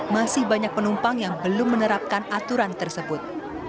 masih banyak penumpang yang belum menerapkan aturan tersebut